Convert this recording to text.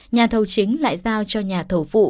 nhà thầu chính lại giao cho nhà thầu phụ